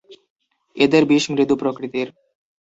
এদের বিষ মৃদু প্রকৃতির।